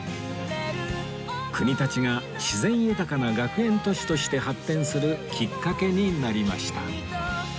国立が自然豊かな学園都市として発展するきっかけになりました